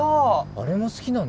あれも好きなんですね。